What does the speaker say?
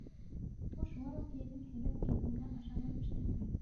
Был шулай уҡ йәйҙең һәйбәт килеүенә ышанып эшләнгән.